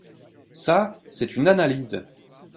Ça, c’est une analyse